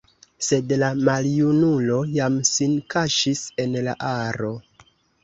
Sed la maljunulo jam sin kaŝis en la aro.